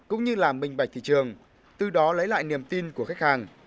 cũng như làm minh bạch thị trường từ đó lấy lại niềm tin của khách hàng